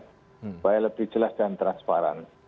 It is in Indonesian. supaya lebih jelas dan transparan